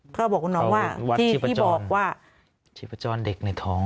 เขาบอกคุณน้องว่าที่บอกว่าเขาวัดชิปจรชิปจรเด็กในท้อง